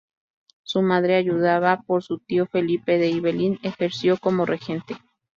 Su madre, ayudada por su tío Felipe de Ibelín, ejerció como regente.